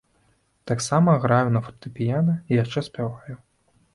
Таксама граю на фартэпіяна і яшчэ спяваю.